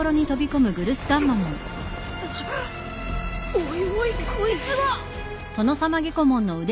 おいおいこいつは。